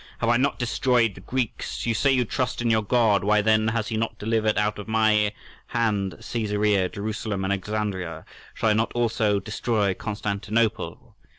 Have I not destroyed the Greeks? You say you trust in your God: why, then, has he not delivered out of my hand Caesarea, Jerusalem, and Alexandria? Shall I not also destroy Constantinople?